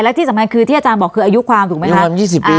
แล้วที่สำคัญคือที่อาจารย์บอกคืออายุความถูกไหมคะอายุความยี่สิบปี